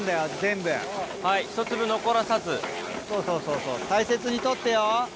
そうそうそうそう大切に取ってよ。